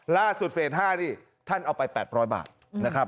เฟส๕นี่ท่านเอาไป๘๐๐บาทนะครับ